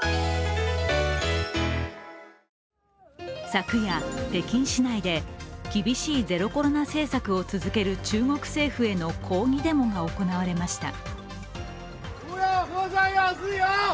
昨夜、北京市内で厳しいゼロコロナ政策を続ける中国政府への抗議デモが行われました。